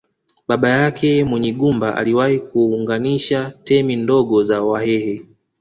Baba yake Munyingumba aliwahi kuunganisha temi ndogo za Wahehe